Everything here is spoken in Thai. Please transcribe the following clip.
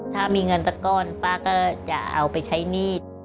ถ้ามีเงินสักก้อนป้าก็จะเอาไปใช้หนี้